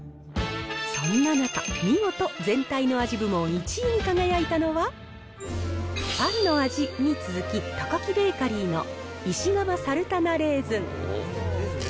そんな中、見事、全体の味部門１位に輝いたのは、パンの味に続き、タカキベーカリーの石窯サルタナレーズン。